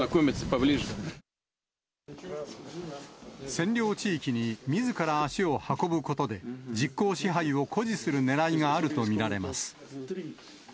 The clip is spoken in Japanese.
占領地域にみずから足を運ぶことで、実効支配を誇示するねらいがあると見られます。